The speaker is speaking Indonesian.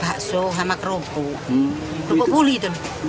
bakso hamak rokok rokok buli itu